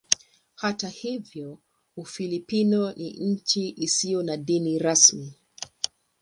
Hata hivyo Ufilipino ni nchi isiyo na dini rasmi.